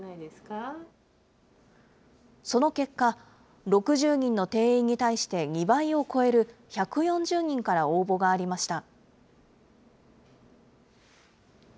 その結果、６０人の定員に対して２倍を超える１４０人から応募がありました。